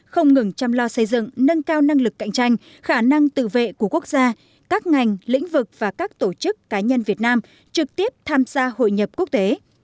không ngừng chăm lo xây dựng nâng cao năng lực cạnh tranh khả năng tự vệ của quốc gia các ngành lĩnh vực và các tổ chức cá nhân việt nam trực tiếp tham gia hội nhập quốc tế